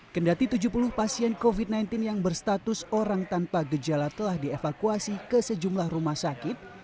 kendati tujuh puluh pasien covid sembilan belas yang berstatus orang tanpa gejala telah dievakuasi ke sejumlah rumah sakit